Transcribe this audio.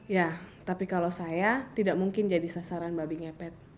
ya tapi kalau saya tidak mungkin jadi sasaran babi ngepet